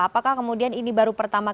apakah kemudian ini baru pertanyaan